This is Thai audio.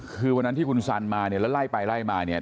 คือวันนั้นที่คุณสันมาเนี่ยแล้วไล่ไปไล่มาเนี่ย